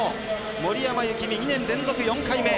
森山幸美、２年連続４回目。